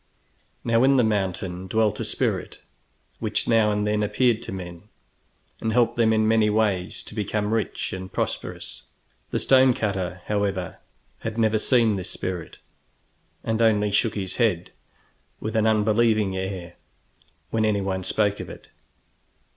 Now in the mountain dwelt a spirit which now and then appeared to men, and helped them in many ways to become rich and prosperous. The stone cutter, however, had never seen this spirit, and only shook his head, with an unbelieving air, when anyone spoke of it.